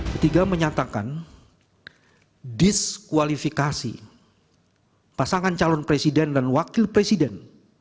p tiga menyatakan diskualifikasi pasangan calon presiden dan wakil presiden